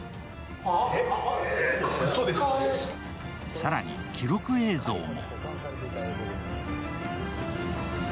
更に記録映像も。